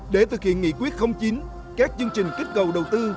để thực hiện nghị quyết chín các chương trình kích cầu đầu tư